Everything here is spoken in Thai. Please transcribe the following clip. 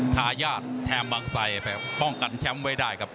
ทายาทแถมบางไซไปป้องกันแชมป์ไว้ได้ครับ